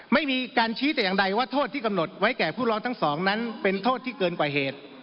ไม่มีการชี้แต่อย่างใดว่าโทษที่กำหนดไว้แก่ผู้ร้องทั้งสองนั้นเป็นโทษที่เกินกว่าเหตุ